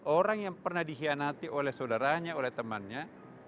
orang yang pernah dihianati oleh saudaranya oleh temannya